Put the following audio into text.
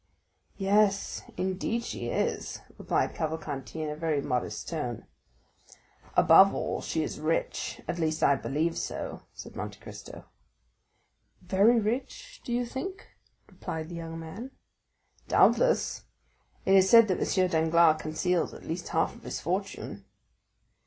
"Yes, indeed she is," replied Cavalcanti, in a very modest tone. "Above all, she is very rich,—at least, I believe so," said Monte Cristo. "Very rich, do you think?" replied the young man. "Doubtless; it is said M. Danglars conceals at least half of his fortune."